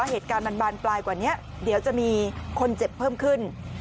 เหตุการณ์มันบานปลายกว่านี้เดี๋ยวจะมีคนเจ็บเพิ่มขึ้น